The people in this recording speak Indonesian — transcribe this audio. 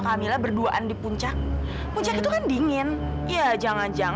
kamu dan bayi kamu sehat sehat aja kan